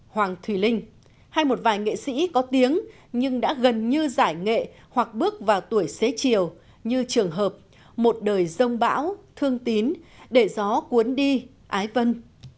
hoàng thùy linh hay một vài nghệ sĩ có tiếng nhưng đã gần như giải nghệ hoặc bước vào tuổi xế chiều như trường hợp một đời dông bão thương tín để gió cuốn đi ái vân